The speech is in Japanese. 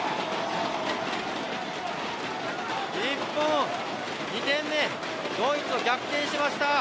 日本、２点目ドイツを逆転しました。